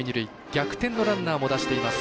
逆転のランナーも出しています。